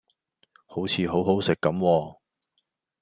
好似好好食咁喎